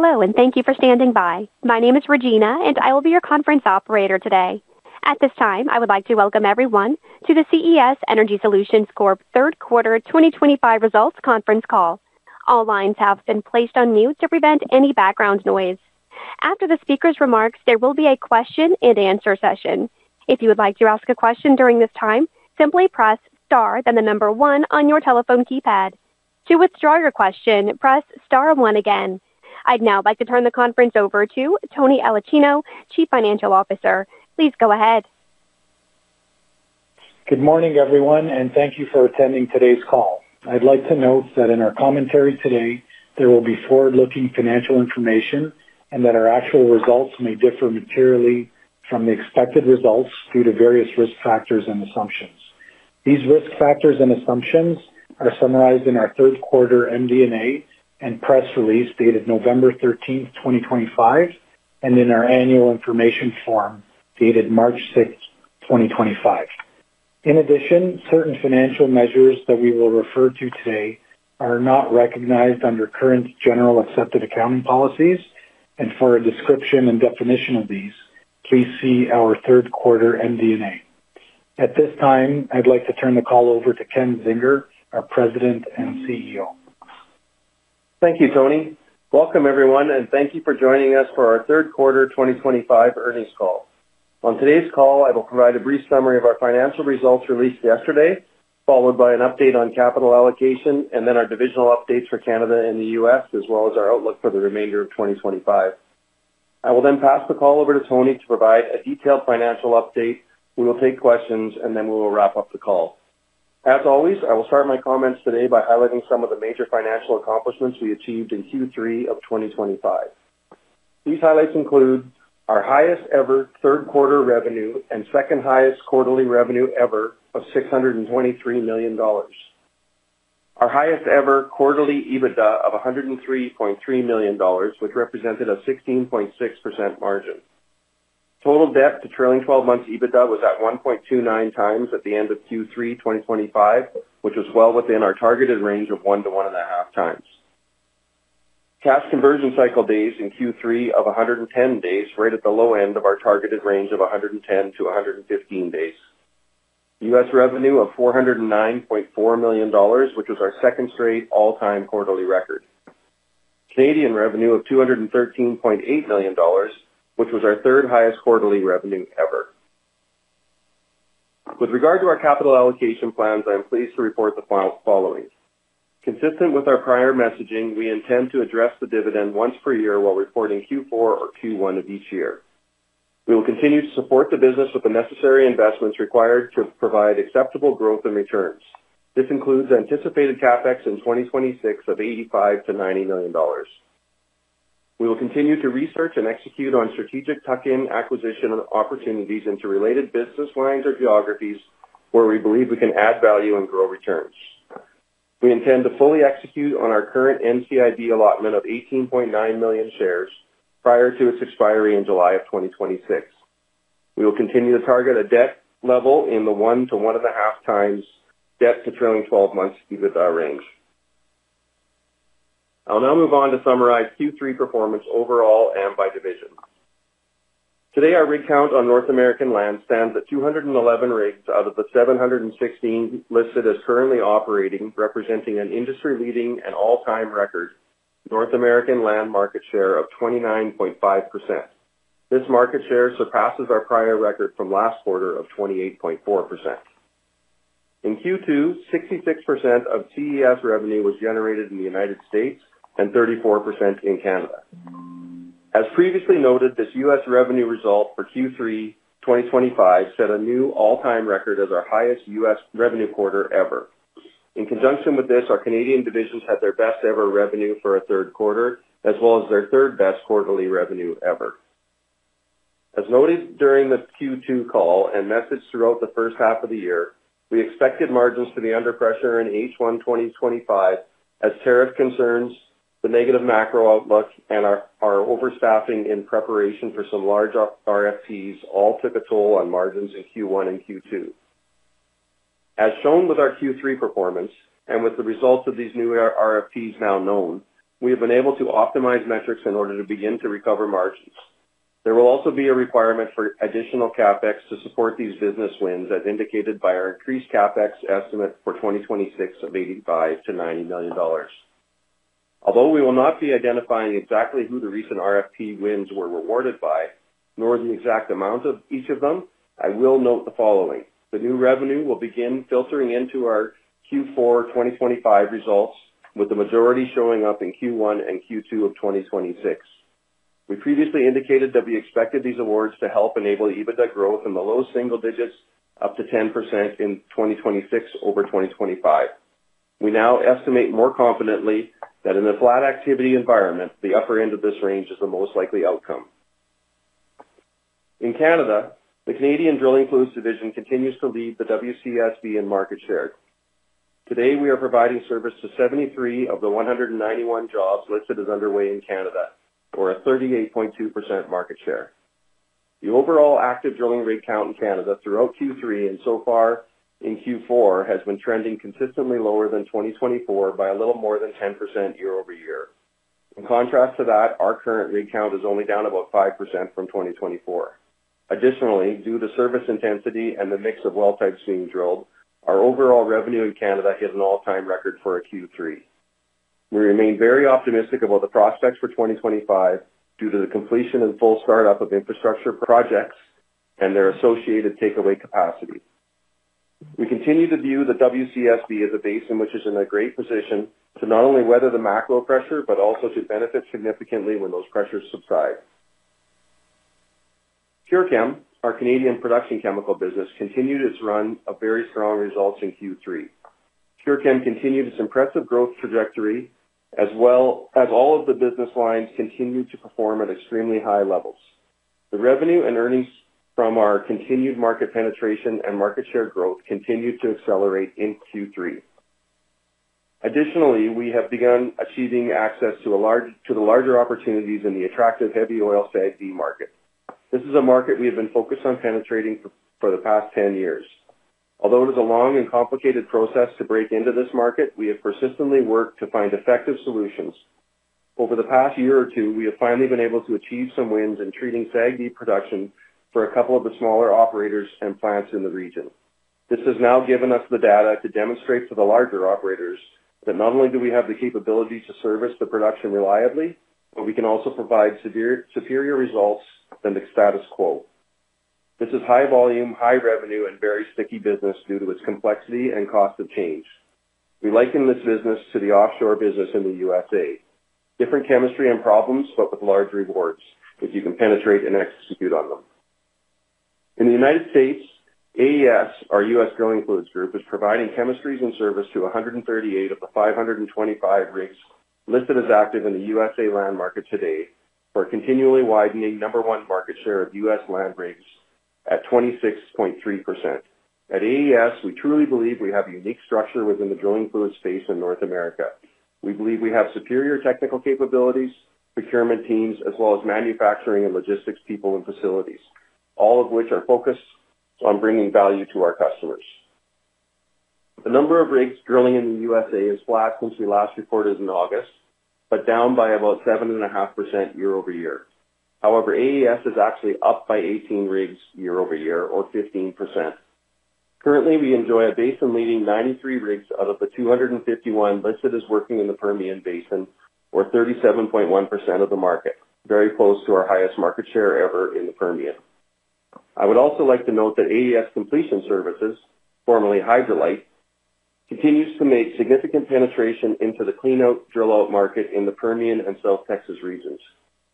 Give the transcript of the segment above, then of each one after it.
Hello, and thank you for standing by. My name is Regina, and I will be your conference operator today. At this time, I would like to welcome everyone to the CES Energy Solutions Corp third quarter 2025 results conference call. All lines have been placed on mute to prevent any background noise. After the speaker's remarks, there will be a question-and-answer session. If you would like to ask a question during this time, simply press star, then the number one on your telephone keypad. To withdraw your question, press star one again. I'd now like to turn the conference over to Tony Aulicino, Chief Financial Officer. Please go ahead. Good morning, everyone, and thank you for attending today's call. I'd like to note that in our commentary today, there will be forward-looking financial information and that our actual results may differ materially from the expected results due to various risk factors and assumptions. These risk factors and assumptions are summarized in our third quarter MD&A and press release dated November 13th, 2025, and in our annual information form dated March 6th, 2025. In addition, certain financial measures that we will refer to today are not recognized under current generally accepted accounting policies, and for a description and definition of these, please see our third quarter MD&A. At this time, I'd like to turn the call over to Ken Zinger, our President and CEO. Thank you, Tony. Welcome, everyone, and thank you for joining us for our third quarter 2025 earnings call. On today's call, I will provide a brief summary of our financial results released yesterday, followed by an update on capital allocation, and then our divisional updates for Canada and the U.S., as well as our outlook for the remainder of 2025. I will then pass the call over to Tony to provide a detailed financial update. We will take questions, and then we will wrap up the call. As always, I will start my comments today by highlighting some of the major financial accomplishments we achieved in Q3 of 2025. These highlights include our highest-ever third quarter revenue and second-highest quarterly revenue ever of 623 million dollars. Our highest-ever quarterly EBITDA of 103.3 million dollars, which represented a 16.6% margin. Total debt to trailing 12 months EBITDA was at 1.29x at the end of Q3 2025, which was well within our targeted range of 1-1.5x. Cash conversion cycle days in Q3 of 110 days, right at the low end of our targeted range of 110-115 days. U.S. revenue of $409.4 million, which was our second straight all-time quarterly record. Canadian revenue of 213.8 million dollars, which was our third-highest quarterly revenue ever. With regard to our capital allocation plans, I am pleased to report the following. Consistent with our prior messaging, we intend to address the dividend once per year while reporting Q4 or Q1 of each year. We will continue to support the business with the necessary investments required to provide acceptable growth and returns. This includes anticipated CapEx in 2026 of 85 million-90 million dollars. We will continue to research and execute on strategic tuck-in acquisition opportunities into related business lines or geographies where we believe we can add value and grow returns. We intend to fully execute on our current NCIB allotment of 18.9 million shares prior to its expiry in July of 2026. We will continue to target a debt level in the one to one and a half times debt to trailing 12 months EBITDA range. I'll now move on to summarize Q3 performance overall and by division. Today, our recount on North American land stands at 211 rigs out of the 716 listed as currently operating, representing an industry-leading and all-time record North American land market share of 29.5%. This market share surpasses our prior record from last quarter of 28.4%. In Q2, 66% of CES revenue was generated in the United States and 34% in Canada. As previously noted, this U.S. revenue result for Q3 2025 set a new all-time record as our highest U.S. revenue quarter ever. In conjunction with this, our Canadian divisions had their best-ever revenue for a third quarter, as well as their third-best quarterly revenue ever. As noted during the Q2 call and messaged throughout the first half of the year, we expected margins to be under pressure in H1 2025 as tariff concerns, the negative macro outlook, and our overstaffing in preparation for some large RFPs all took a toll on margins in Q1 and Q2. As shown with our Q3 performance and with the results of these new RFPs now known, we have been able to optimize metrics in order to begin to recover margins. There will also be a requirement for additional CapEx to support these business wins, as indicated by our increased CapEx estimate for 2026 of 85 million-90 million dollars. Although we will not be identifying exactly who the recent RFP wins were rewarded by, nor the exact amount of each of them, I will note the following: the new revenue will begin filtering into our Q4 2025 results, with the majority showing up in Q1 and Q2 of 2026. We previously indicated that we expected these awards to help enable EBITDA growth in the low single digits up to 10% in 2026 over 2025. We now estimate more confidently that in the flat activity environment, the upper end of this range is the most likely outcome. In Canada, the Canadian Drilling Plus division continues to lead the WCSB in market share. Today, we are providing service to 73 of the 191 jobs listed as underway in Canada, for a 38.2% market share. The overall active drilling recount in Canada throughout Q3 and so far in Q4 has been trending consistently lower than 2024 by a little more than 10% year-over-year. In contrast to that, our current recount is only down about 5% from 2024. Additionally, due to service intensity and the mix of well types being drilled, our overall revenue in Canada hit an all-time record for a Q3. We remain very optimistic about the prospects for 2025 due to the completion and full start-up of infrastructure projects and their associated takeaway capacity. We continue to view the WCSB as a base in which it's in a great position to not only weather the macro pressure but also to benefit significantly when those pressures subside. PureChem, our Canadian production chemical business, continued its run of very strong results in Q3. PureChem continued its impressive growth trajectory, as well as all of the business lines continued to perform at extremely high levels. The revenue and earnings from our continued market penetration and market share growth continued to accelerate in Q3. Additionally, we have begun achieving access to the larger opportunities in the attractive heavy oil SAG-D market. This is a market we have been focused on penetrating for the past 10 years. Although it is a long and complicated process to break into this market, we have persistently worked to find effective solutions. Over the past year or two, we have finally been able to achieve some wins in treating SAG-D production for a couple of the smaller operators and plants in the region. This has now given us the data to demonstrate to the larger operators that not only do we have the capability to service the production reliably, but we can also provide superior results than the status quo. This is high volume, high revenue, and very sticky business due to its complexity and cost of change. We liken this business to the offshore business in the U.S.: different chemistry and problems, but with large rewards if you can penetrate and execute on them. In the United States, AES, our U.S. Drilling Plus group, is providing chemistries and service to 138 of the 525 rigs listed as active in the U.S. land market today for continually widening number one market share of U.S. land rigs at 26.3%. At AES, we truly believe we have a unique structure within the drilling fluid space in North America. We believe we have superior technical capabilities, procurement teams, as well as manufacturing and logistics people and facilities, all of which are focused on bringing value to our customers. The number of rigs drilling in the U.S.A. is flat since we last reported in August, but down by about 7.5% year-over-year. However, AES is actually up by 18 rigs year-over-year, or 15%. Currently, we enjoy a basin-leading 93 rigs out of the 251 listed as working in the Permian Basin, or 37.1% of the market, very close to our highest market share ever in the Permian. I would also like to note that AES Completion Services, formerly Hydrolite, continues to make significant penetration into the clean-out drill-out market in the Permian and South Texas regions.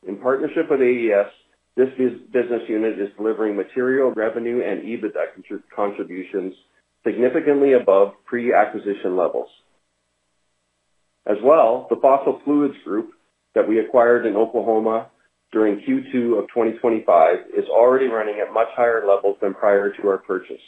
In partnership with AES, this business unit is delivering material revenue and EBITDA contributions significantly above pre-acquisition levels. As well, the Fossil Fluids Group that we acquired in Oklahoma during Q2 of 2025 is already running at much higher levels than prior to our purchase.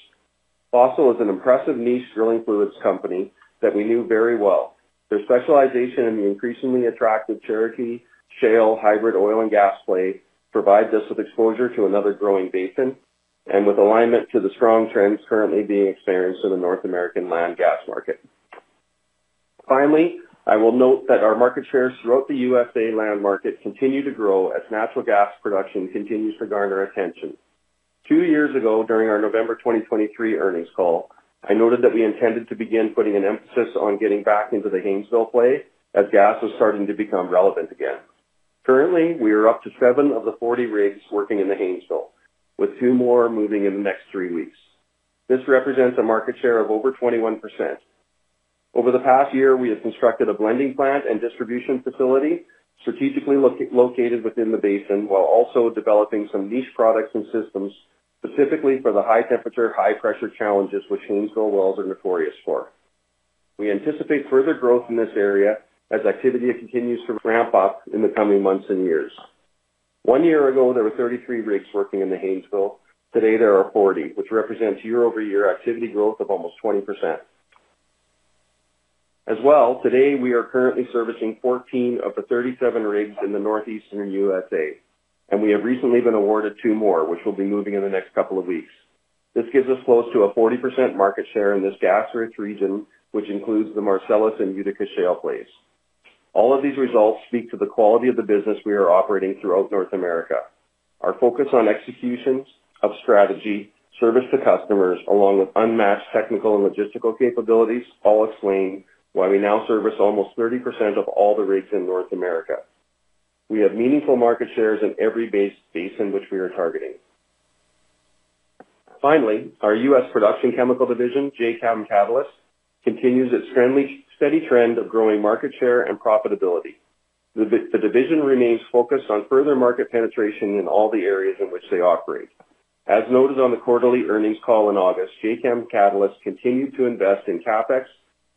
Fossil is an impressive niche drilling fluids company that we knew very well. Their specialization in the increasingly attractive Cherokee Shale hybrid oil and gas play provides us with exposure to another growing basin and with alignment to the strong trends currently being experienced in the North American land gas market. Finally, I will note that our market shares throughout the U.S. land market continue to grow as natural gas production continues to garner attention. Two years ago, during our November 2023 earnings call, I noted that we intended to begin putting an emphasis on getting back into the Haynesville play as gas was starting to become relevant again. Currently, we are up to seven of the 40 rigs working in the Haynesville, with two more moving in the next three weeks. This represents a market share of over 21%. Over the past year, we have constructed a blending plant and distribution facility strategically located within the basin while also developing some niche products and systems specifically for the high temperature, high pressure challenges which Haynesville wells are notorious for. We anticipate further growth in this area as activity continues to ramp up in the coming months and years. One year ago, there were 33 rigs working in the Haynesville. Today, there are 40, which represents year-over-year activity growth of almost 20%. As well, today we are currently servicing 14 of the 37 rigs in the Northeastern USA, and we have recently been awarded two more, which will be moving in the next couple of weeks. This gives us close to a 40% market share in this gas-rich region, which includes the Marcellus and Utica Shale plays. All of these results speak to the quality of the business we are operating throughout North America. Our focus on execution of strategy, service to customers, along with unmatched technical and logistical capabilities, all explain why we now service almost 30% of all the rigs in North America. We have meaningful market shares in every base basin which we are targeting. Finally, our U.S. Production Chemical Division, JCABM Catalyst, continues its steady trend of growing market share and profitability. The division remains focused on further market penetration in all the areas in which they operate. As noted on the quarterly earnings call in August, JCABM Catalyst continued to invest in CapEx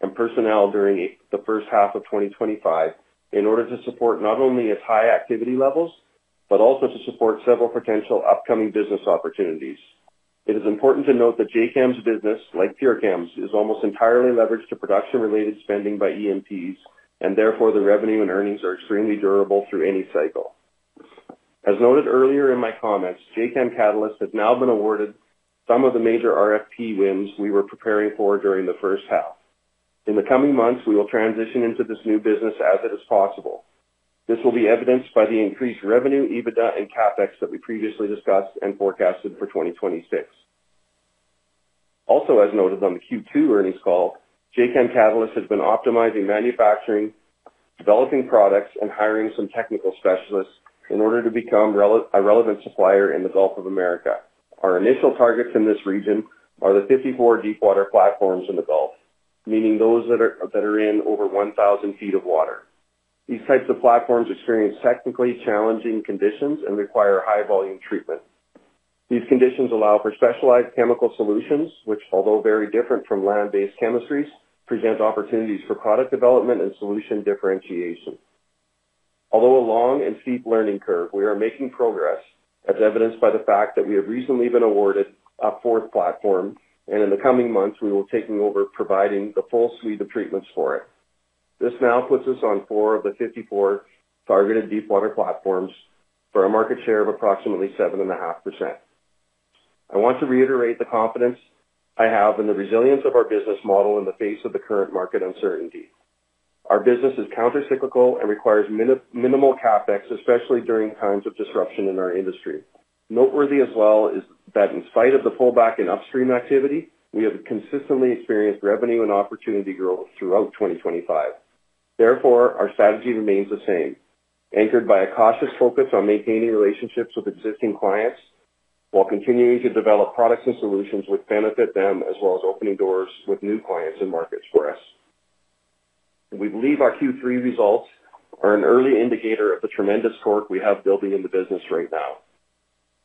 and personnel during the first half of 2025 in order to support not only its high activity levels, but also to support several potential upcoming business opportunities. It is important to note that JCABM's business, like PureChem's, is almost entirely leveraged to production-related spending by EMPs, and therefore the revenue and earnings are extremely durable through any cycle. As noted earlier in my comments, JCABM Catalyst has now been awarded some of the major RFP wins we were preparing for during the first half. In the coming months, we will transition into this new business as it is possible. This will be evidenced by the increased revenue, EBITDA, and CapEx that we previously discussed and forecasted for 2026. Also, as noted on the Q2 earnings call, JCABM Catalyst has been optimizing manufacturing, developing products, and hiring some technical specialists in order to become a relevant supplier in the Gulf of America. Our initial targets in this region are the 54 deep water platforms in the Gulf, meaning those that are in over 1,000 feet of water. These types of platforms experience technically challenging conditions and require high-volume treatment. These conditions allow for specialized chemical solutions, which, although very different from land-based chemistries, present opportunities for product development and solution differentiation. Although a long and steep learning curve, we are making progress, as evidenced by the fact that we have recently been awarded a fourth platform, and in the coming months, we will take over providing the full suite of treatments for it. This now puts us on four of the 54 targeted deep water platforms for a market share of approximately 7.5%. I want to reiterate the confidence I have in the resilience of our business model in the face of the current market uncertainty. Our business is countercyclical and requires minimal CapEx, especially during times of disruption in our industry. Noteworthy as well is that in spite of the pullback in upstream activity, we have consistently experienced revenue and opportunity growth throughout 2025. Therefore, our strategy remains the same, anchored by a cautious focus on maintaining relationships with existing clients while continuing to develop products and solutions which benefit them, as well as opening doors with new clients and markets for us. We believe our Q3 results are an early indicator of the tremendous torque we have building in the business right now.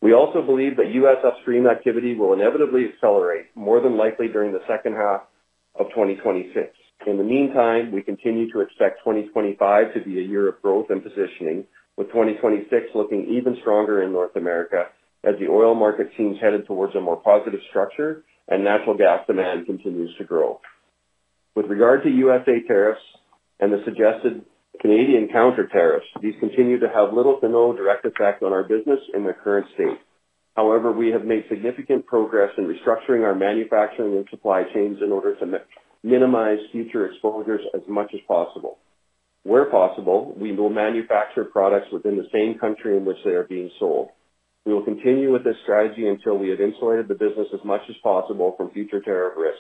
We also believe that U.S. Upstream activity will inevitably accelerate, more than likely during the second half of 2026. In the meantime, we continue to expect 2025 to be a year of growth and positioning, with 2026 looking even stronger in North America as the oil market seems headed towards a more positive structure and natural gas demand continues to grow. With regard to U.S.A. tariffs and the suggested Canadian counter tariffs, these continue to have little to no direct effect on our business in the current state. However, we have made significant progress in restructuring our manufacturing and supply chains in order to minimize future exposures as much as possible. Where possible, we will manufacture products within the same country in which they are being sold. We will continue with this strategy until we have insulated the business as much as possible from future tariff risks.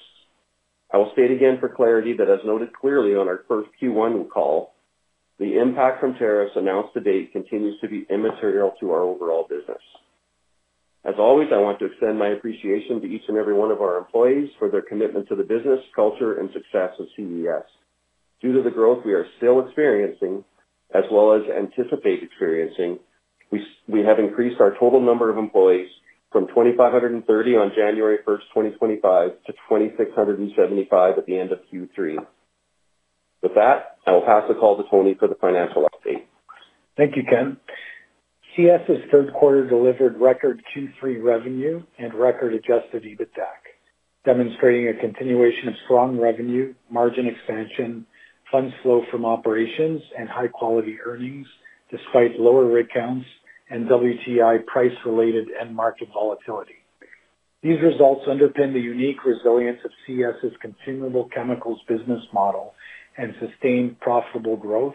I will state again for clarity that, as noted clearly on our first Q1 call, the impact from tariffs announced to date continues to be immaterial to our overall business. As always, I want to extend my appreciation to each and every one of our employees for their commitment to the business, culture, and success of CES. Due to the growth we are still experiencing, as well as anticipate experiencing, we have increased our total number of employees from 2,530 on January 1st, 2025, to 2,675 at the end of Q3. With that, I will pass the call to Tony for the financial update. Thank you, Ken. CES's third quarter delivered record Q3 revenue and record-Adjusted EBITDA, demonstrating a continuation of strong revenue, margin expansion, funds flow from operations, and high-quality earnings despite lower rig counts and WTI price-related and market volatility. These results underpin the unique resilience of CES's consumable chemicals business model and sustained profitable growth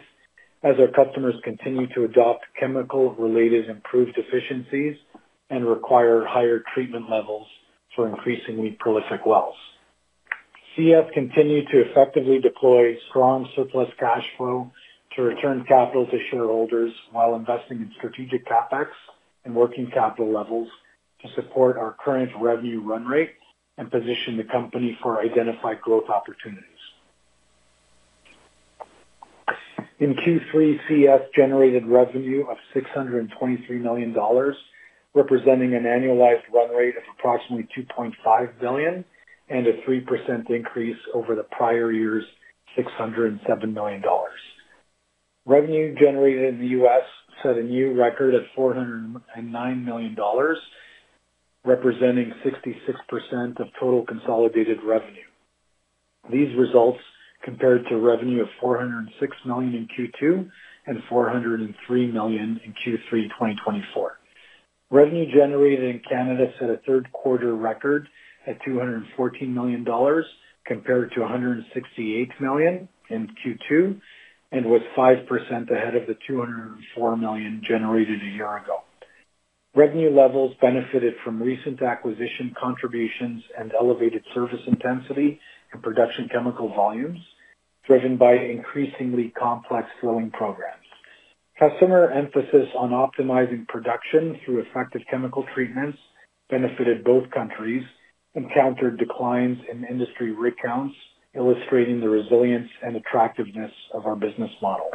as our customers continue to adopt chemical-related improved efficiencies and require higher treatment levels for increasingly prolific wells. CES continued to effectively deploy strong surplus cash flow to return capital to shareholders while investing in strategic CapEx and working capital levels to support our current revenue run rate and position the company for identified growth opportunities. In Q3, CES generated revenue of 623 million dollars, representing an annualized run rate of approximately 2.5 billion and a 3% increase over the prior year's 607 million dollars. Revenue generated in the U.S. set a new record at $409 million, representing 66% of total consolidated revenue. These results compared to revenue of $406 million in Q2 and $403 million in Q3 2024. Revenue generated in Canada set a third quarter record at 214 million dollars, compared to 168 million in Q2, and was 5% ahead of the 204 million generated a year ago. Revenue levels benefited from recent acquisition contributions and elevated service intensity and production chemical volumes, driven by increasingly complex drilling programs. Customer emphasis on optimizing production through effective chemical treatments benefited both countries and countered declines in industry rig counts, illustrating the resilience and attractiveness of our business model.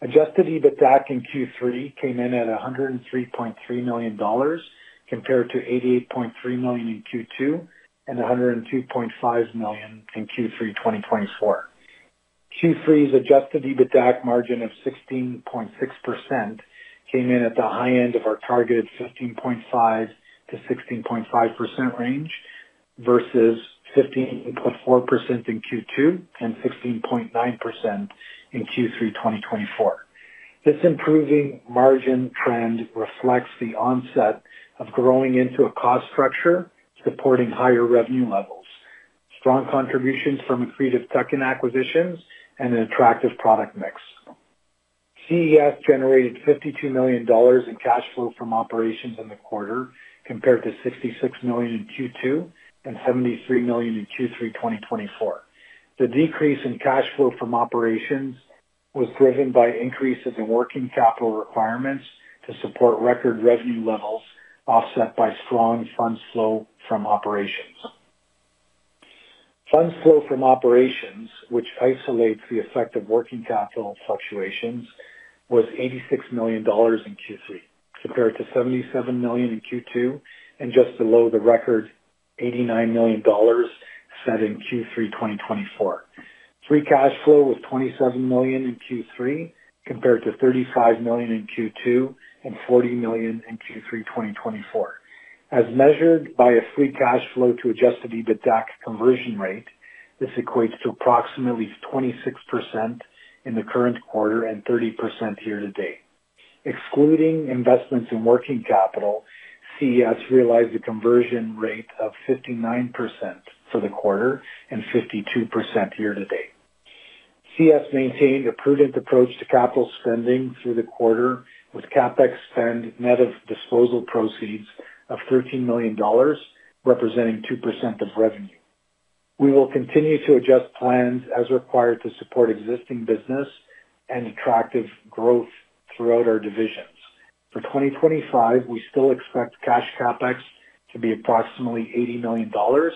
Adjusted EBITDA in Q3 came in at 103.3 million dollars, compared to 88.3 million in Q2 and 102.5 million in Q3 2024. Q3's Adjusted EBITDA margin of 16.6% came in at the high end of our targeted 15.5%-16.5% range versus 15.4% in Q2 and 16.9% in Q3 2024. This improving margin trend reflects the onset of growing into a cost structure supporting higher revenue levels, strong contributions from accretive tuck-in acquisitions, and an attractive product mix. CES generated 52 million dollars in cash flow from operations in the quarter, compared to 66 million in Q2 and 73 million in Q3 2024. The decrease in cash flow from operations was driven by increases in working capital requirements to support record revenue levels offset by strong funds flow from operations. Funds flow from operations, which isolates the effect of working capital fluctuations, was 86 million dollars in Q3, compared to 77 million in Q2 and just below the record 89 million dollars set in Q3 2024. Free cash flow was 27 million in Q3, compared to 35 million in Q2 and 40 million in Q3 2024. As measured by a free cash flow to Adjusted EBITDA conversion rate, this equates to approximately 26% in the current quarter and 30% year-to-date. Excluding investments in working capital, CES realized a conversion rate of 59% for the quarter and 52% year-to-date. CES maintained a prudent approach to capital spending through the quarter, with CapEx spend net of disposal proceeds of 13 million dollars, representing 2% of revenue. We will continue to adjust plans as required to support existing business and attractive growth throughout our divisions. For 2025, we still expect cash CapEx to be approximately 80 million dollars,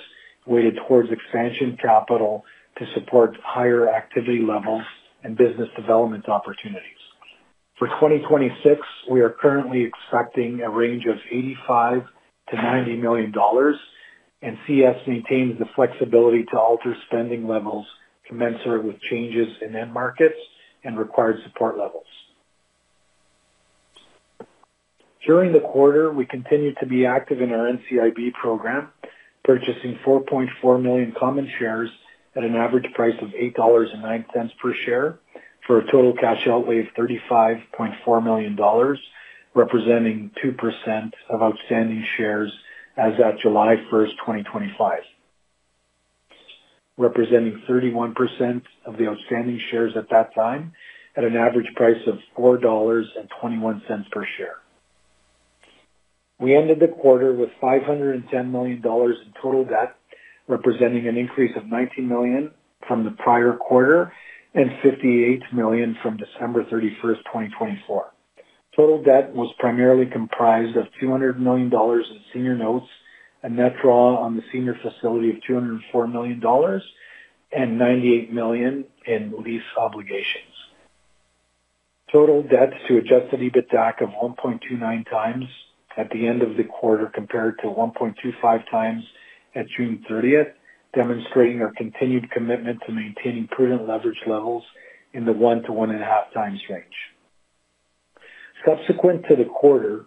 weighted towards expansion capital to support higher activity levels and business development opportunities. For 2026, we are currently expecting a range of 85 million-CED 90 million, and CES maintains the flexibility to alter spending levels commensurate with changes in end markets and required support levels. During the quarter, we continue to be active in our NCIB program, purchasing 4.4 million common shares at an average price of 8.09 dollars per share for a total cash outlay of 35.4 million dollars, representing 2% of outstanding shares as at July 1st, 2025, representing 31% of the outstanding shares at that time at an average price of 4.21 dollars per share. We ended the quarter with 510 million dollars in total debt, representing an increase of 19 million from the prior quarter and 58 million from December 31st, 2024. Total debt was primarily comprised of 200 million dollars in senior notes, a net draw on the senior facility of 204 million dollars, and 98 million in lease obligations. Total debt to Adjusted EBITDA of 1.29x at the end of the quarter compared to 1.25x at June 30th, demonstrating our continued commitment to maintaining prudent leverage levels in the 1-1.5x range. Subsequent to the quarter,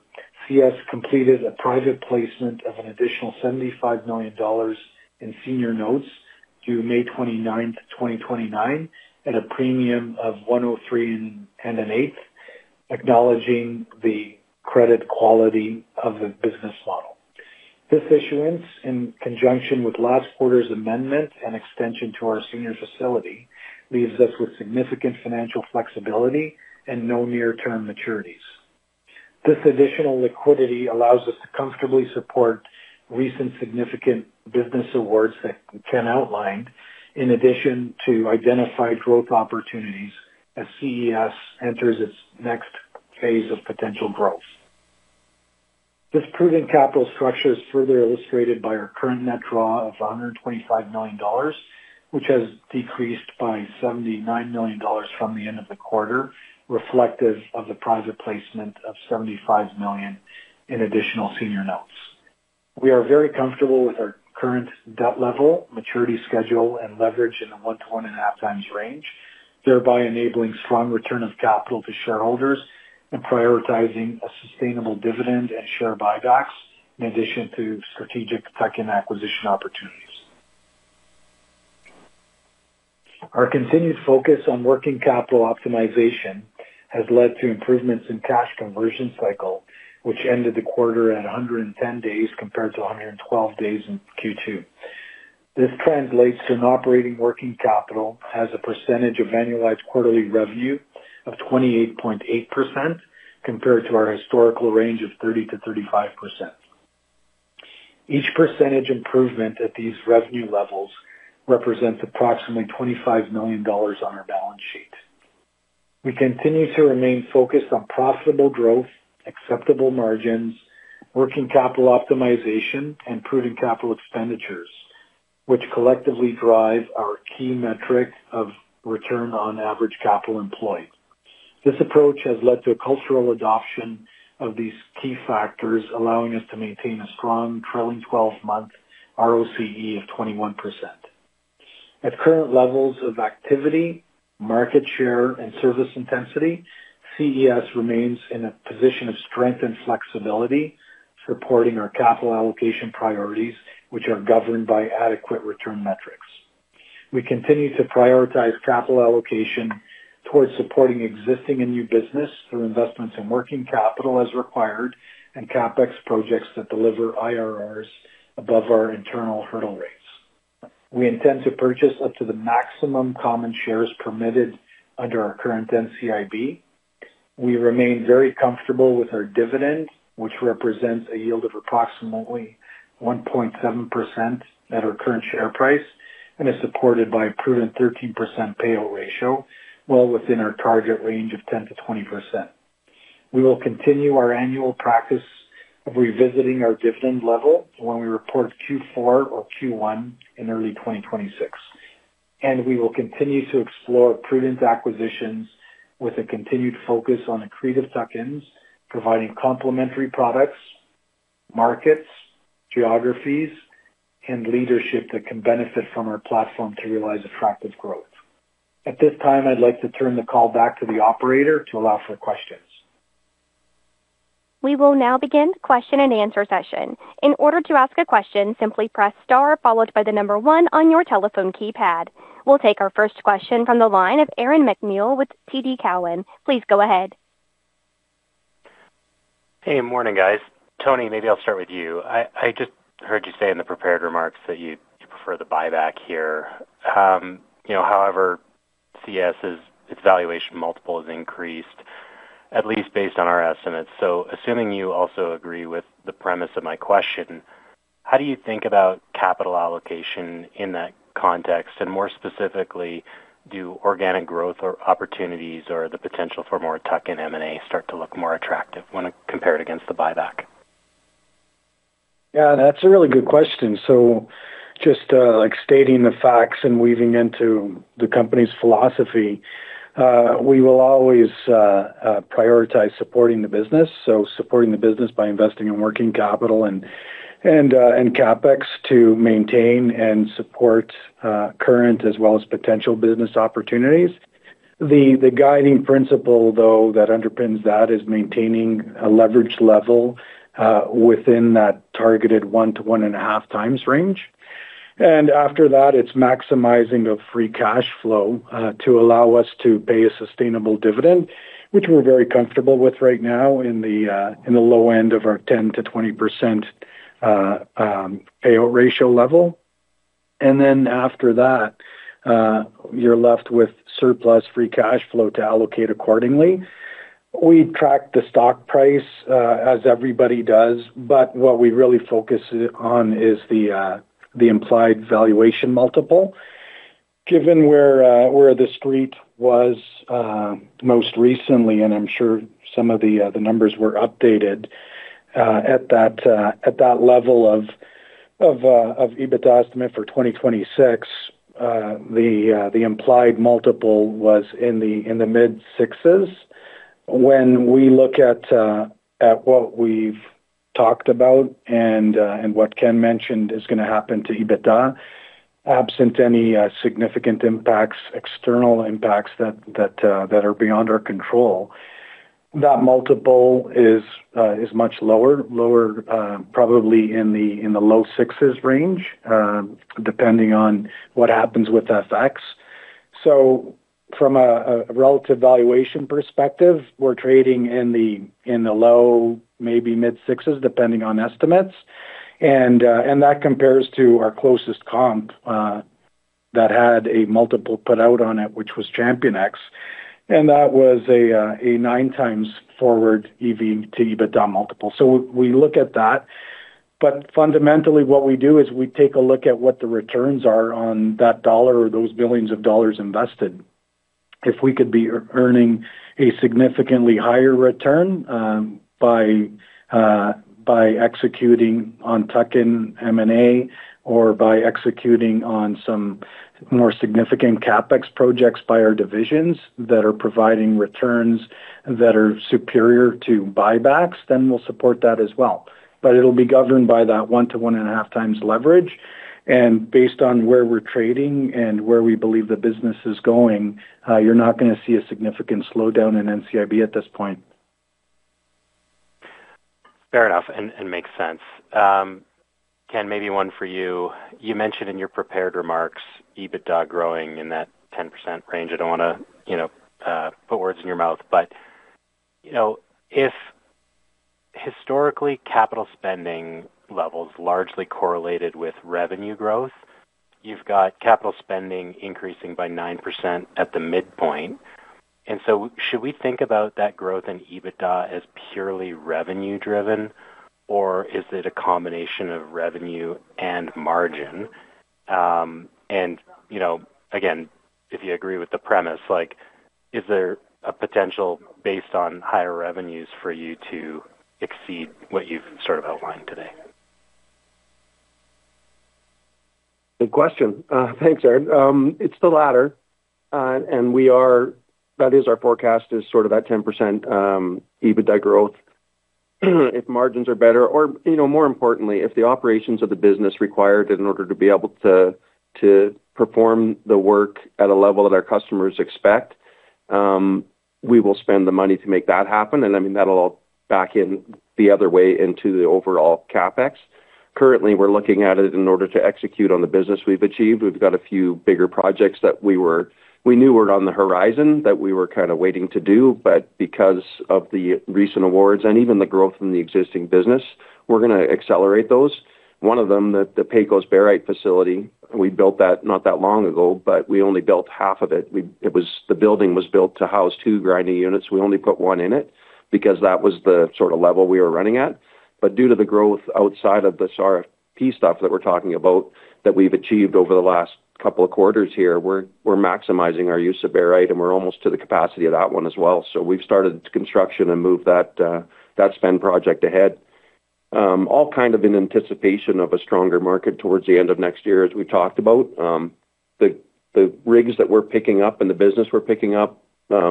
CES completed a private placement of an additional 75 million dollars in senior notes due May 29th, 2029, at a premium of $103.25, acknowledging the credit quality of the business model. This issuance, in conjunction with last quarter's amendment and extension to our senior facility, leaves us with significant financial flexibility and no near-term maturities. This additional liquidity allows us to comfortably support recent significant business awards that Ken outlined, in addition to identified growth opportunities as CES enters its next phase of potential growth. This prudent capital structure is further illustrated by our current net draw of $125 million, which has decreased by $79 million from the end of the quarter, reflective of the private placement of $75 million in additional senior notes. We are very comfortable with our current debt level, maturity schedule, and leverage in the 1-1.5x range, thereby enabling strong return of capital to shareholders and prioritizing a sustainable dividend and share buybacks, in addition to strategic tuck-in acquisition opportunities. Our continued focus on working capital optimization has led to improvements in cash conversion cycle, which ended the quarter at 110 days compared to 112 days in Q2. This translates to an operating working capital as a percentage of annualized quarterly revenue of 28.8% compared to our historical range of 30%-35%. Each percentage improvement at these revenue levels represents approximately $25 million on our balance sheet. We continue to remain focused on profitable growth, acceptable margins, working capital optimization, and prudent capital expenditures, which collectively drive our key metric of return on average capital employed. This approach has led to a cultural adoption of these key factors, allowing us to maintain a strong trailing 12-month ROCE of 21%. At current levels of activity, market share, and service intensity, CES remains in a position of strength and flexibility, supporting our capital allocation priorities, which are governed by adequate return metrics. We continue to prioritize capital allocation towards supporting existing and new business through investments in working capital as required and CapEx projects that deliver IRRs above our internal hurdle rates. We intend to purchase up to the maximum common shares permitted under our current NCIB. We remain very comfortable with our dividend, which represents a yield of approximately 1.7% at our current share price and is supported by a prudent 13% payout ratio, well within our target range of 10%-20%. We will continue our annual practice of revisiting our dividend level when we report Q4 or Q1 in early 2026, and we will continue to explore prudent acquisitions with a continued focus on accretive tuck-ins, providing complementary products, markets, geographies, and leadership that can benefit from our platform to realize attractive growth. At this time, I'd like to turn the call back to the operator to allow for questions. We will now begin the question-and-answer session. In order to ask a question, simply press star followed by the number one on your telephone keypad. We'll take our first question from the line of Aaron MacNeil with TD Cowen. Please go ahead. Hey, good morning, guys. Tony, maybe I'll start with you. I just heard you say in the prepared remarks that you prefer the buyback here. However, CES's valuation multiple has increased, at least based on our estimates. Assuming you also agree with the premise of my question, how do you think about capital allocation in that context? More specifically, do organic growth or opportunities or the potential for more tuck-in M&A start to look more attractive when compared against the buyback? Yeah, that's a really good question. Just stating the facts and weaving into the company's philosophy, we will always prioritize supporting the business. Supporting the business by investing in working capital and CapEx to maintain and support current as well as potential business opportunities. The guiding principle, though, that underpins that is maintaining a leverage level within that targeted 1-1.5x range. After that, it's maximizing free cash flow to allow us to pay a sustainable dividend, which we're very comfortable with right now in the low end of our 10%-20% payout ratio level. After that, you're left with surplus free cash flow to allocate accordingly. We track the stock price as everybody does, but what we really focus on is the implied valuation multiple. Given where the street was most recently, and I'm sure some of the numbers were updated at that level of EBITDA estimate for 2026, the implied multiple was in the mid-sixes. When we look at what we've talked about and what Ken mentioned is going to happen to EBITDA, absent any significant impacts, external impacts that are beyond our control, that multiple is much lower, probably in the low sixes, depending on what happens with FX. From a relative valuation perspective, we're trading in the low, maybe mid-sixes, depending on estimates. That compares to our closest comp that had a multiple put out on it, which was ChampionX, and that was a nine times forward EV to EBITDA multiple. We look at that. Fundamentally, what we do is we take a look at what the returns are on that dollar or those millions of dollars invested. If we could be earning a significantly higher return by executing on tuck-in M&A or by executing on some more significant CapEx projects by our divisions that are providing returns that are superior to buybacks, then we'll support that as well. It'll be governed by that 1-1.5x leverage. Based on where we are trading and where we believe the business is going, you are not going to see a significant slowdown in NCIB at this point. Fair enough. Makes sense. Ken, maybe one for you. You mentioned in your prepared remarks EBITDA growing in that 10% range. I do not want to put words in your mouth. If historically capital spending levels largely correlated with revenue growth, you have got capital spending increasing by 9% at the midpoint. Should we think about that growth in EBITDA as purely revenue-driven, or is it a combination of revenue and margin? If you agree with the premise, is there a potential based on higher revenues for you to exceed what you have sort of outlined today? Good question. Thanks, Aaron. It is the latter. That is our forecast, is sort of that 10% EBITDA growth. If margins are better, or more importantly, if the operations of the business required in order to be able to perform the work at a level that our customers expect, we will spend the money to make that happen. I mean, that'll all back in the other way into the overall CapEx. Currently, we're looking at it in order to execute on the business we've achieved. We've got a few bigger projects that we knew were on the horizon, that we were kind of waiting to do. Because of the recent awards and even the growth in the existing business, we're going to accelerate those. One of them, the Pecos Barite facility, we built that not that long ago, but we only built half of it. The building was built to house two grinding units. We only put one in it because that was the sort of level we were running at. Due to the growth outside of this RFP stuff that we're talking about that we've achieved over the last couple of quarters here, we're maximizing our use of barite, and we're almost to the capacity of that one as well. We have started construction and moved that spend project ahead, all kind of in anticipation of a stronger market towards the end of next year, as we've talked about. The rigs that we're picking up and the business we're picking up,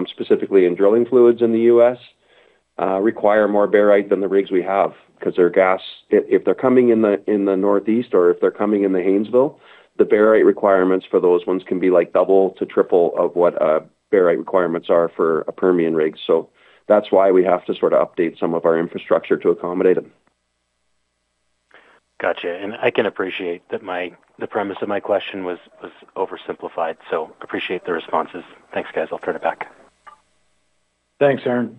specifically in drilling fluids in the U.S., require more barite than the rigs we have because if they're coming in the Northeast or if they're coming in the Haynesville, the barite requirements for those ones can be like double to triple of what barite requirements are for a Permian rig. That is why we have to sort of update some of our infrastructure to accommodate it. Gotcha. I can appreciate that the premise of my question was oversimplified. Appreciate the responses. Thanks, guys. I will turn it back. Thanks, Aaron.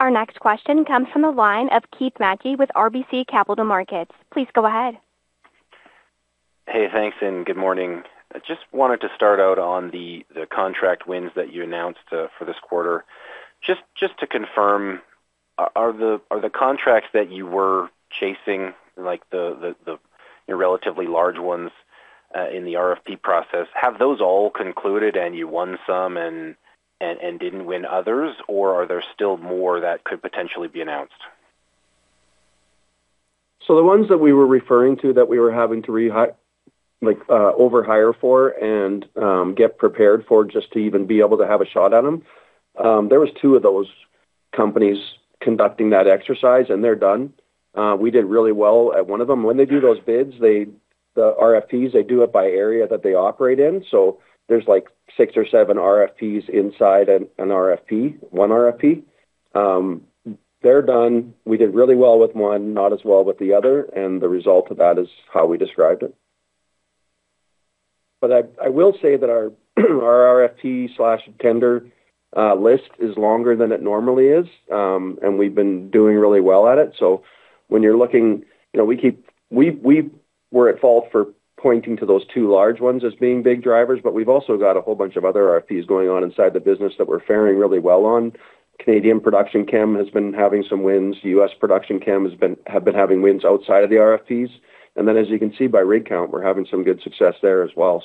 Our next question comes from the line of Keith Mackey with RBC Capital Markets. Please go ahead. Hey, thanks, and good morning. I just wanted to start out on the contract wins that you announced for this quarter. Just to confirm, are the contracts that you were chasing, like the relatively large ones in the RFP process, have those all concluded and you won some and did not win others, or are there still more that could potentially be announced? The ones that we were referring to that we were having to overhire for and get prepared for just to even be able to have a shot at them, there were two of those companies conducting that exercise, and they're done. We did really well at one of them. When they do those bids, the RFPs, they do it by area that they operate in. There are like six or seven RFPs inside an RFP, one RFP. They're done. We did really well with one, not as well with the other. The result of that is how we described it. I will say that our RFP/tender list is longer than it normally is, and we've been doing really well at it. When you're looking, we were at fault for pointing to those two large ones as being big drivers, but we've also got a whole bunch of other RFPs going on inside the business that we're faring really well on. Canadian production chem has been having some wins. U.S. production chem have been having wins outside of the RFPs. As you can see by rig count, we're having some good success there as well.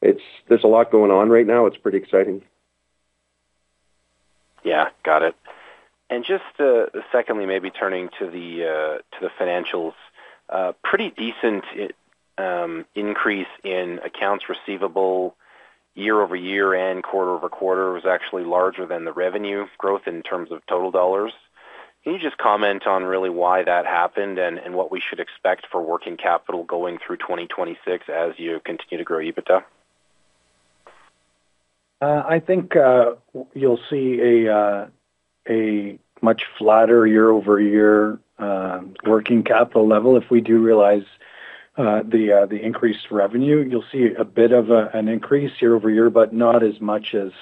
There's a lot going on right now. It's pretty exciting. Yeah, got it. Just secondly, maybe turning to the financials, pretty decent increase in accounts receivable year-over-year and quarter over quarter was actually larger than the revenue growth in terms of total dollars. Can you just comment on really why that happened and what we should expect for working capital going through 2026 as you continue to grow EBITDA? I think you'll see a much flatter year-over-year working capital level if we do realize the increased revenue. You'll see a bit of an increase year-over-year, but not as much as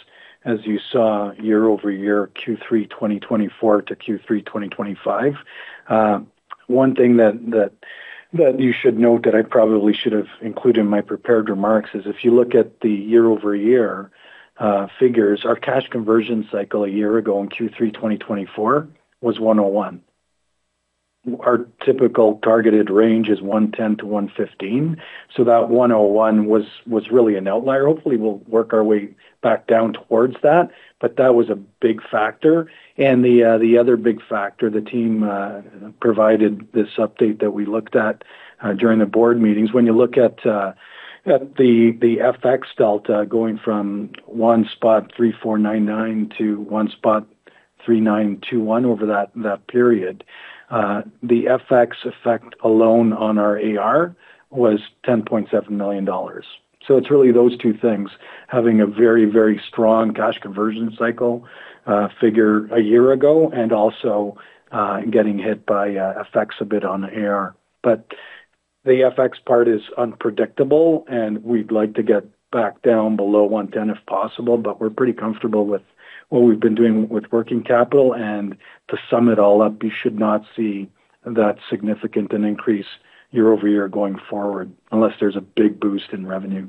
you saw year-over-year Q3 2024 to Q3 2025. One thing that you should note that I probably should have included in my prepared remarks is if you look at the year-over-year figures, our cash conversion cycle a year ago in Q3 2024 was 101. Our typical targeted range is 110-115. That 101 was really an outlier. Hopefully, we'll work our way back down towards that, but that was a big factor. The other big factor, the team provided this update that we looked at during the board meetings. When you look at the FX delta going from one spot 3499 to one spot 3921 over that period, the FX effect alone on our AR was $10.7 million. It is really those two things, having a very, very strong cash conversion cycle figure a year ago and also getting hit by FX a bit on the AR. The FX part is unpredictable, and we'd like to get back down below 110 if possible, but we're pretty comfortable with what we've been doing with working capital. To sum it all up, you should not see that significant an increase year-over-year going forward unless there's a big boost in revenue.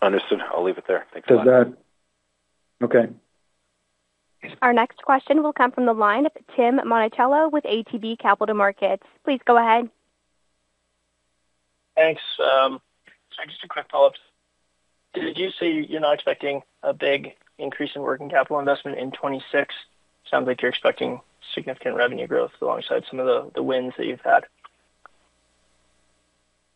Understood. I'll leave it there. Thanks a lot. Okay. Our next question will come from the line of Tim Monachello with ATB Capital Markets. Please go ahead. Thanks. Just a quick follow-up. Did you say you're not expecting a big increase in working capital investment in 2026? Sounds like you're expecting significant revenue growth alongside some of the wins that you've had.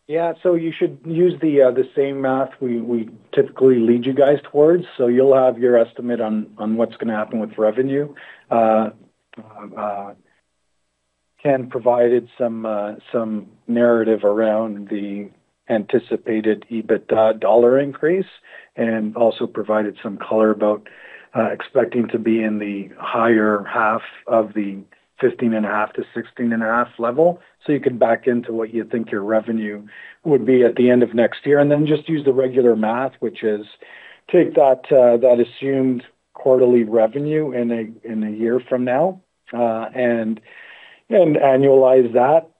Yeah. You should use the same math we typically lead you guys towards. You'll have your estimate on what's going to happen with revenue. Ken provided some narrative around the anticipated EBITDA dollar increase and also provided some color about expecting to be in the higher half of the 15.5-16.5 level. You can back into what you think your revenue would be at the end of next year. Then just use the regular math, which is take that assumed quarterly revenue in a year from now and annualize that.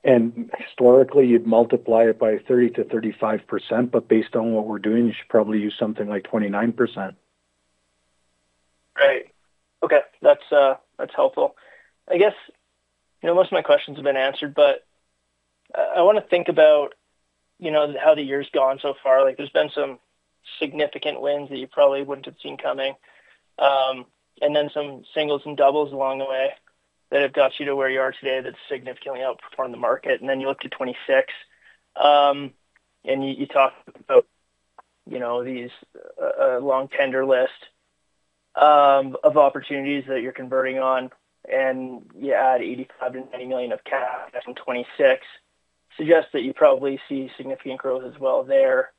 Historically, you'd multiply it by 30%-35%. Based on what we're doing, you should probably use something like 29%. Right. Okay. That's helpful. I guess most of my questions have been answered, but I want to think about how the year's gone so far. There's been some significant wins that you probably wouldn't have seen coming and then some singles and doubles along the way that have got you to where you are today that significantly outperformed the market. You look to 2026, and you talk about these long tender lists of opportunities that you're converting on, and you add 85 million-90 million of cash in 2026, suggests that you probably see significant growth as well there.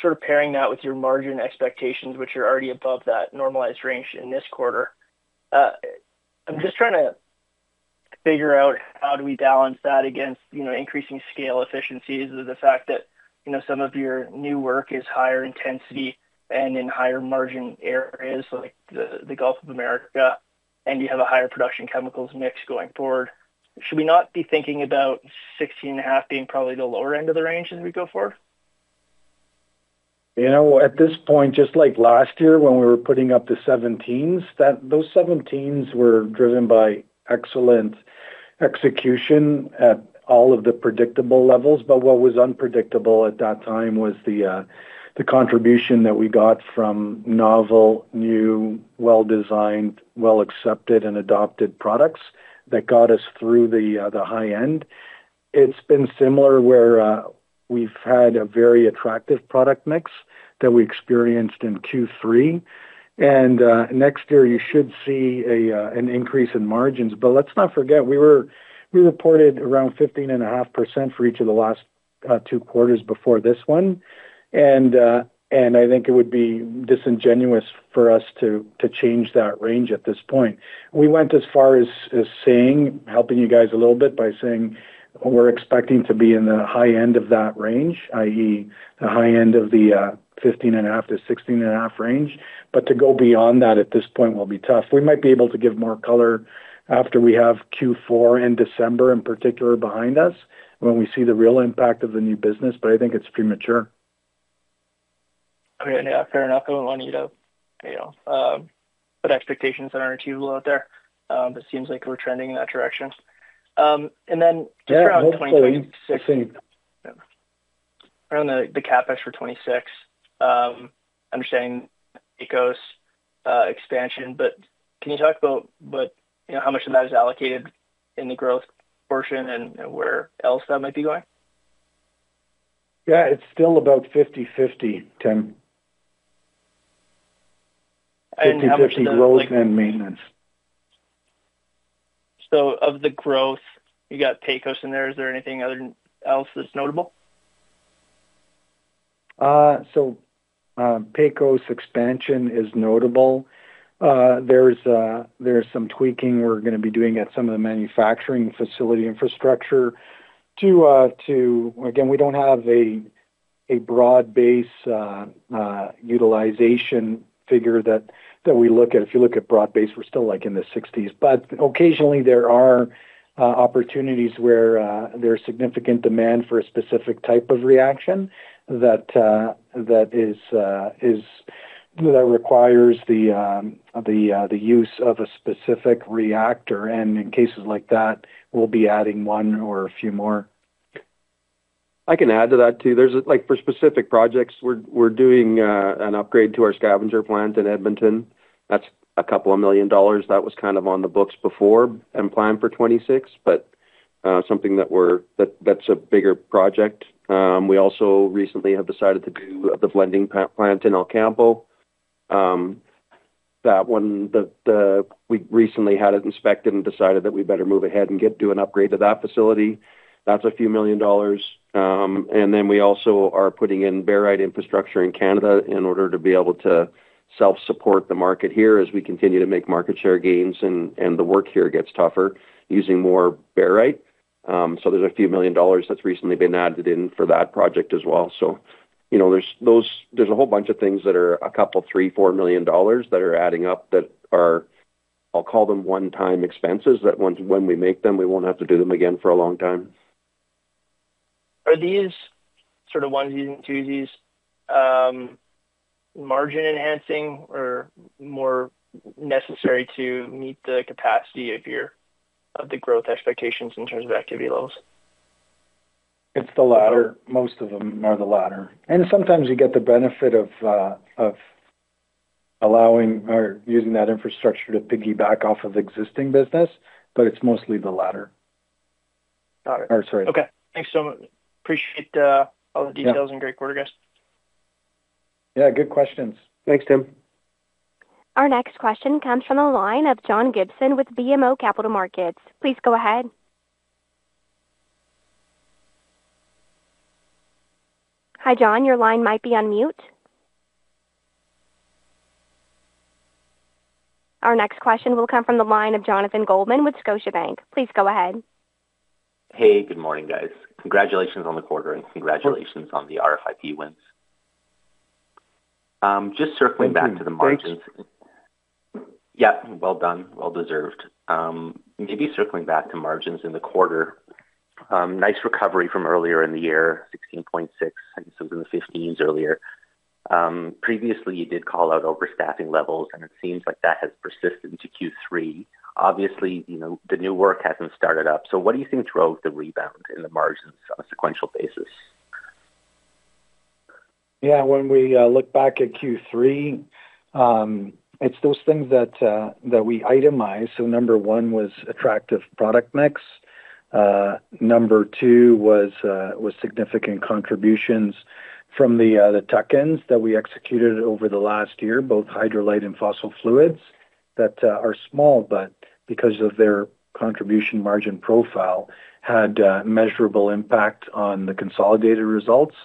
Sort of pairing that with your margin expectations, which are already above that normalized range in this quarter, I'm just trying to figure out how do we balance that against increasing scale efficiencies of the fact that some of your new work is higher intensity and in higher margin areas like the Gulf of America, and you have a higher production chemicals mix going forward. Should we not be thinking about 16.5 being probably the lower end of the range as we go forward? At this point, just like last year when we were putting up the 17s, those 17s were driven by excellent execution at all of the predictable levels. What was unpredictable at that time was the contribution that we got from novel, new, well-designed, well-accepted, and adopted products that got us through the high end. It's been similar where we've had a very attractive product mix that we experienced in Q3. Next year, you should see an increase in margins. Let's not forget, we reported around 15.5% for each of the last two quarters before this one. I think it would be disingenuous for us to change that range at this point. We went as far as saying, helping you guys a little bit by saying we're expecting to be in the high end of that range, i.e., the high end of the 15.5%-16.5% range. To go beyond that at this point will be tough. We might be able to give more color after we have Q4 in December in particular behind us when we see the real impact of the new business, but I think it's premature. Okay. Fair enough. I wouldn't want you to put expectations on our team a little bit there. It seems like we're trending in that direction. Just around 2026, around the CapEx for 2026, understanding ECOS expansion. Can you talk about how much of that is allocated in the growth portion and where else that might be going? Yeah. It's still about 50/50, Tim. 50/50 growth and maintenance. Of the growth, you got Payco's in there. Is there anything else that's notable? Payco's expansion is notable. There's some tweaking we're going to be doing at some of the manufacturing facility infrastructure to, again, we don't have a broad-based utilization figure that we look at. If you look at broad-based, we're still like in the 60s. Occasionally, there are opportunities where there's significant demand for a specific type of reaction that requires the use of a specific reactor. In cases like that, we'll be adding one or a few more. I can add to that too. For specific projects, we're doing an upgrade to our scavenger plant in Edmonton. That's a couple of million dollars. That was kind of on the books before and planned for 2026, but something that's a bigger project. We also recently have decided to do the blending plant in El Campo. That one, we recently had it inspected and decided that we better move ahead and get to an upgrade to that facility. That's a few million dollars. We also are putting in barite infrastructure in Canada in order to be able to self-support the market here as we continue to make market share gains and the work here gets tougher using more barite. So there's a few million dollars that's recently been added in for that project as well. There is a whole bunch of things that are a couple of 3 million-4 million dollars that are adding up that are, I'll call them one-time expenses that when we make them, we will not have to do them again for a long time. Are these sort of onesies and twosies margin-enhancing or more necessary to meet the capacity of the growth expectations in terms of activity levels? It is the latter. Most of them are the latter. And sometimes you get the benefit of using that infrastructure to piggyback off of existing business, but it is mostly the latter. Got it. Okay. Thanks so much. Appreciate all the details and great quarter, I guess. Yeah. Good questions. Thanks, Tim. Our next question comes from the line of John Gibson with BMO Capital Markets. Please go ahead. Hi, John. Your line might be on mute. Our next question will come from the line of Jonathan Goldman with Scotiabank. Please go ahead. Hey, good morning, guys. Congratulations on the quarter and congratulations on the RFP wins. Just circling back to the margins. Yep. Well done. Well deserved. Maybe circling back to margins in the quarter. Nice recovery from earlier in the year, 16.6. I think it was in the 15s earlier. Previously, you did call out overstaffing levels, and it seems like that has persisted into Q3. Obviously, the new work hasn't started up. What do you think drove the rebound in the margins on a sequential basis? Yeah. When we look back at Q3, it's those things that we itemized. Number one was attractive product mix. Number two was significant contributions from the tuck-ins that we executed over the last year, both Hydrolite and Fossil Fluids that are small, but because of their contribution margin profile, had measurable impact on the consolidated results.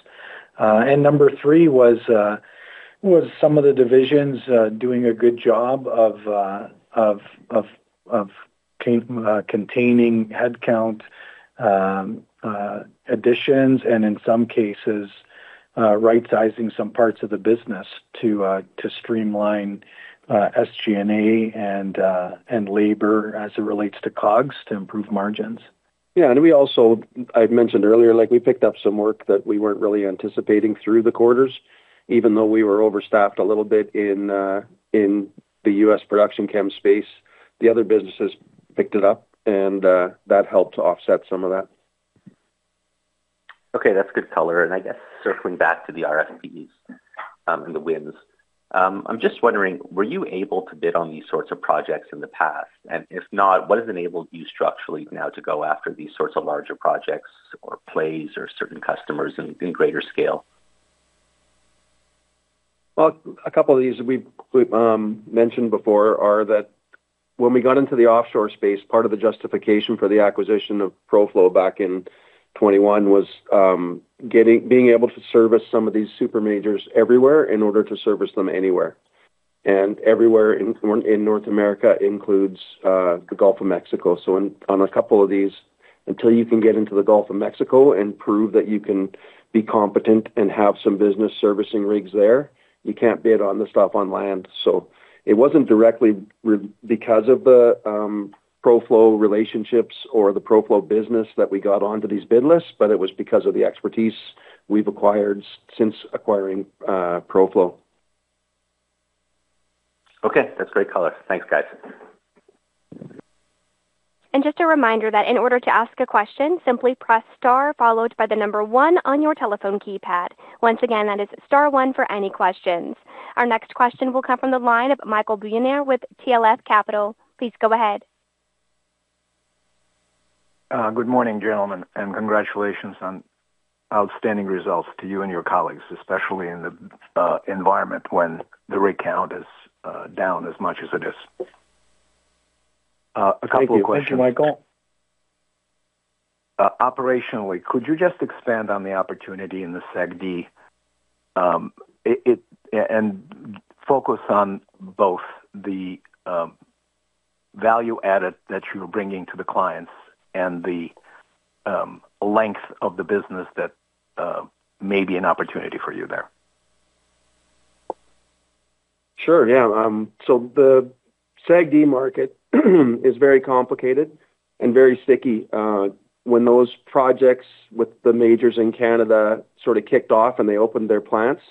Number three was some of the divisions doing a good job of containing headcount additions and, in some cases, right-sizing some parts of the business to streamline SG&A and labor as it relates to COGS to improve margins. Yeah. I mentioned earlier, we picked up some work that we were not really anticipating through the quarters, even though we were overstaffed a little bit in the U.S. production chem space. The other businesses picked it up, and that helped to offset some of that. Okay. That is good color. I guess circling back to the RFPs and the wins, I'm just wondering, were you able to bid on these sorts of projects in the past? If not, what has enabled you structurally now to go after these sorts of larger projects or plays or certain customers in greater scale? A couple of these we've mentioned before are that when we got into the offshore space, part of the justification for the acquisition of ProFlow back in 2021 was being able to service some of these super majors everywhere in order to service them anywhere. Everywhere in North America includes the Gulf of Mexico. On a couple of these, until you can get into the Gulf of Mexico and prove that you can be competent and have some business servicing rigs there, you can't bid on the stuff on land. It was not directly because of the ProFlow relationships or the ProFlow business that we got onto these bid lists, but it was because of the expertise we have acquired since acquiring ProFlow. Okay. That is great color. Thanks, guys. Just a reminder that in order to ask a question, simply press star followed by the number one on your telephone keypad. Once again, that is star one for any questions. Our next question will come from the line of Michael Bunyaner with TLF Capital. Please go ahead. Good morning, gentlemen, and congratulations on outstanding results to you and your colleagues, especially in the environment when the rig count is down as much as it is. A couple of questions. Thank you, Michael. Operationally, could you just expand on the opportunity in the SAG-D and focus on both the value added that you're bringing to the clients and the length of the business that may be an opportunity for you there? Sure. Yeah. The SAG-D market is very complicated and very sticky. When those projects with the majors in Canada sort of kicked off and they opened their plants,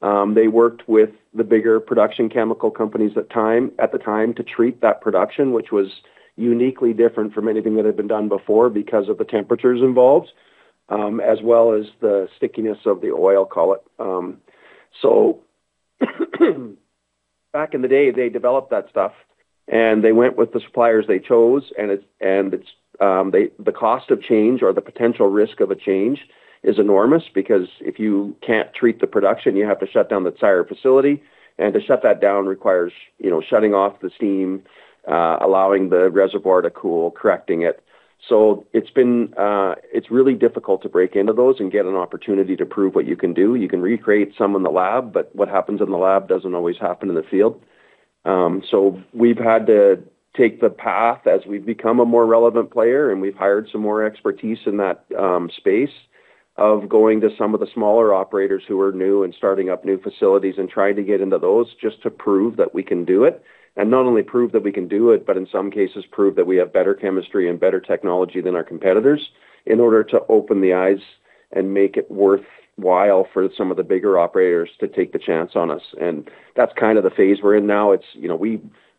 they worked with the bigger production chemical companies at the time to treat that production, which was uniquely different from anything that had been done before because of the temperatures involved, as well as the stickiness of the oil, call it. Back in the day, they developed that stuff, and they went with the suppliers they chose. The cost of change or the potential risk of a change is enormous because if you can't treat the production, you have to shut down the entire facility. To shut that down requires shutting off the steam, allowing the reservoir to cool, correcting it. It is really difficult to break into those and get an opportunity to prove what you can do. You can recreate some in the lab, but what happens in the lab doesn't always happen in the field. We have had to take the path as we have become a more relevant player, and we have hired some more expertise in that space of going to some of the smaller operators who are new and starting up new facilities and trying to get into those just to prove that we can do it. Not only prove that we can do it, but in some cases, prove that we have better chemistry and better technology than our competitors in order to open the eyes and make it worthwhile for some of the bigger operators to take the chance on us. That is kind of the phase we are in now.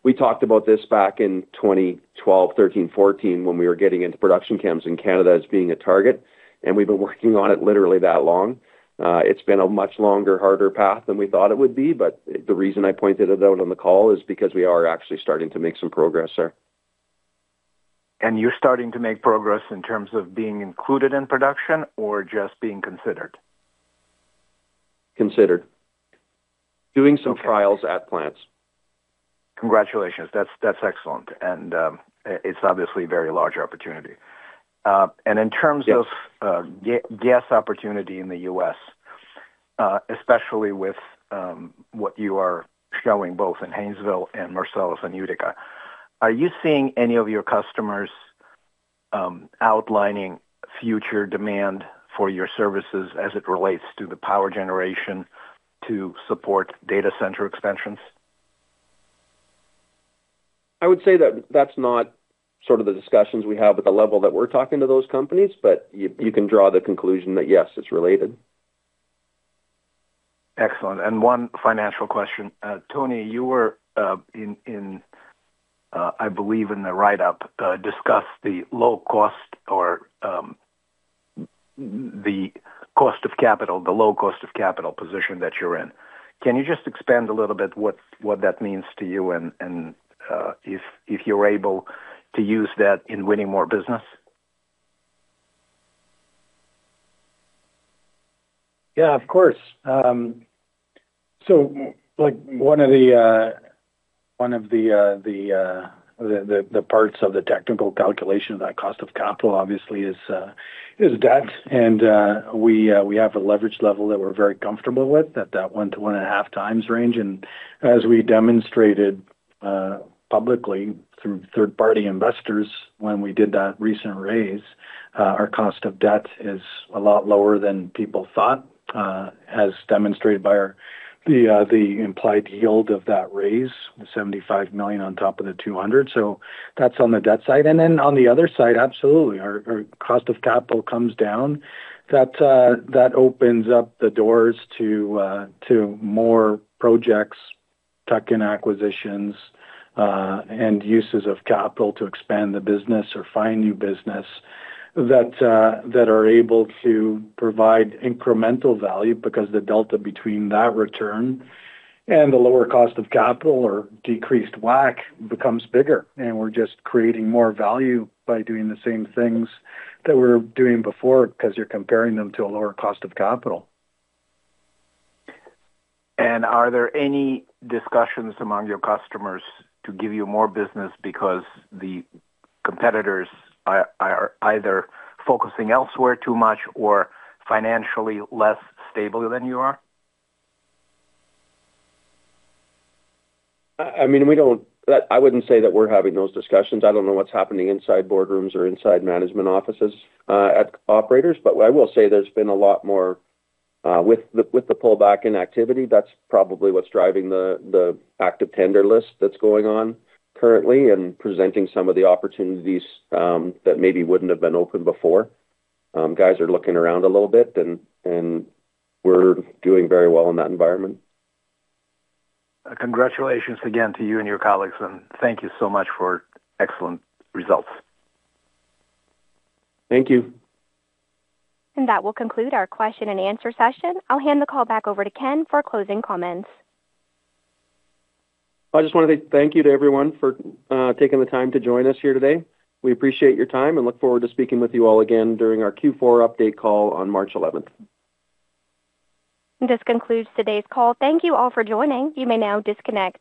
We talked about this back in 2012, 2013, 2014 when we were getting into production chems in Canada as being a target. We have been working on it literally that long. It has been a much longer, harder path than we thought it would be. The reason I pointed it out on the call is because we are actually starting to make some progress there. You are starting to make progress in terms of being included in production or just being considered? Considered. Doing some trials at plants. Congratulations. That is excellent. It's obviously a very large opportunity. In terms of gas opportunity in the U.S., especially with what you are showing both in Haynesville and Marcellus and Utica, are you seeing any of your customers outlining future demand for your services as it relates to the power generation to support data center expansions? I would say that that's not sort of the discussions we have at the level that we're talking to those companies, but you can draw the conclusion that, yes, it's related. Excellent. One financial question. Tony, you were in, I believe, in the write-up, discussed the low cost or the cost of capital, the low cost of capital position that you're in. Can you just expand a little bit what that means to you and if you're able to use that in winning more business? Yeah, of course. One of the parts of the technical calculation of that cost of capital, obviously, is debt. We have a leverage level that we're very comfortable with, that one to one and a half times range. As we demonstrated publicly through third-party investors when we did that recent raise, our cost of debt is a lot lower than people thought, as demonstrated by the implied yield of that raise, the 75 million on top of the 200 million. That's on the debt side. On the other side, absolutely, our cost of capital comes down. That opens up the doors to more projects, tuck-in acquisitions, and uses of capital to expand the business or find new business that are able to provide incremental value because the delta between that return and the lower cost of capital or decreased WAC becomes bigger. We're just creating more value by doing the same things that we're doing before because you're comparing them to a lower cost of capital. Are there any discussions among your customers to give you more business because the competitors are either focusing elsewhere too much or financially less stable than you are? I mean, I wouldn't say that we're having those discussions. I don't know what's happening inside boardrooms or inside management offices at operators, but I will say there's been a lot more with the pullback in activity. That's probably what's driving the active tender list that's going on currently and presenting some of the opportunities that maybe wouldn't have been opened before. Guys are looking around a little bit, and we're doing very well in that environment. Congratulations again to you and your colleagues, and thank you so much for excellent results. Thank you. That will conclude our question-and-answer session. I'll hand the call back over to Ken for closing comments. I just want to say thank you to everyone for taking the time to join us here today. We appreciate your time and look forward to speaking with you all again during our Q4 update call on March 11th. This concludes today's call. Thank you all for joining. You may now disconnect.